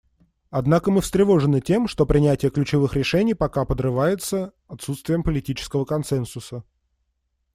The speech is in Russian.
Однако мы встревожены тем, что принятие ключевых решений пока подрывается отсутствием политического консенсуса.